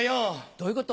どういうこと？